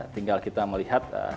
tinggal kita melihat